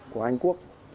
của anh quốc